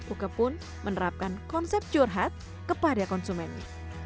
uke pun menerapkan konsep curhat kepada konsumennya